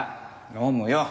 飲むよ。